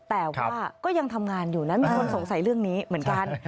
แต่ว่าก็ยังทำงานอยู่นะมีคนสงสัยเรื่องนี้เหมือนกัน